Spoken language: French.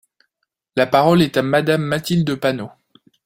La parole est à Madame Mathilde Panot.